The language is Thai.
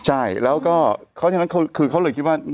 ใช่แล้วก็เขาเลยคิดว่า